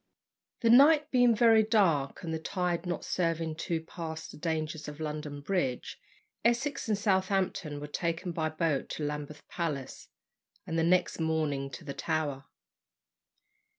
The night being very dark, and the tide not serving to pass the dangers of London Bridge, Essex and Southampton were taken by boat to Lambeth Palace, and the next morning to the Tower.